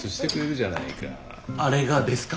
あれがですか？